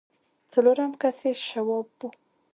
څلورم کس يې شواب و.